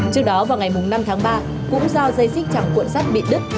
trước đó vào ngày năm tháng ba cũng do dây xích chặt cuộn sắt bị đứt